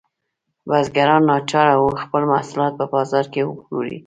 بزګران ناچاره وو خپل محصولات په بازار کې وپلوري.